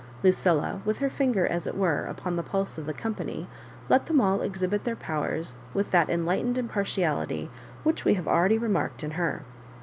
Lucilla, with her finger as it were upon the pulse of the company, let ihem all exhibit their powers with that enlightened im partiality which we have already remarked in her.